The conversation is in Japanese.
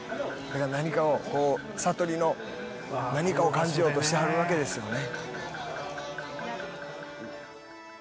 何かをこう悟りの何かを感じようとしてはるわけですよね。